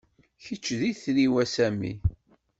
Kečč d itri-w, a Sami.